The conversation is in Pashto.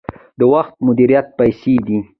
د وخت مدیریت پیسې دي